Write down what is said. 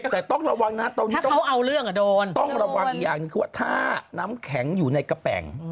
แต่ต้องระวังนะตอนนี้ต้องระวังอีกอย่างหนึ่งคือว่าถ้าน้ำแข็งอยู่ในกระแป๋ง